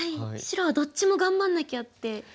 白はどっちも頑張んなきゃって。